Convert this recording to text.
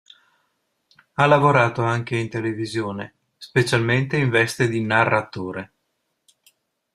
Ha lavorato anche in televisione, specialmente in veste di narratore.